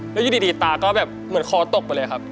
แล้วอยู่ดีตาก็แบบเหมือนคอตกไปเลยครับ